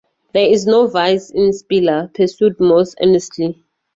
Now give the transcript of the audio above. "There is no vice in Spiller," pursued Moss earnestly.